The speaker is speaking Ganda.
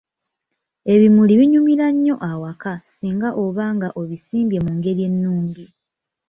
Ebimuli binyumira nnyo awaka singa oba nga obisimbye mu ngeri ennungi.